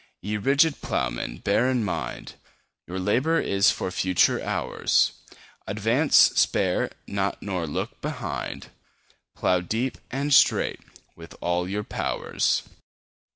Ye rigid Ploughmen, bear in mind Your labour is for future hours: Advance—spare not—nor look behind— 15 Plough deep and straight with all your powers!